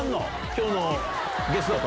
今日のゲストと。